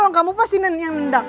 orang kamu pasti yang nendang